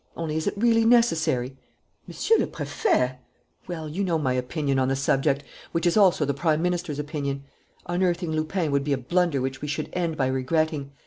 Only, is it really necessary?" "Monsieur le Préfet!" "Well, you know my opinion on the subject, which is also the Prime Minister's opinion. Unearthing Lupin would be a blunder which we should end by regretting.